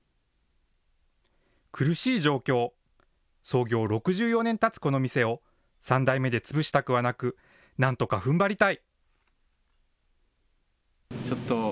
苦しい状況、創業６４年たつこの店を３代目で潰したくはなく、なんとかふんばりたい。